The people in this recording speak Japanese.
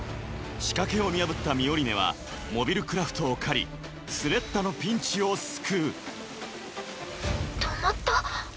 仕掛けを見破ったミオリネはモビルクラフトを駆りスレッタのピンチを救う止まった？